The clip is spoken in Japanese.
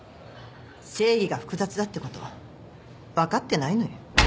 正義が複雑だってこと分かってないのよ。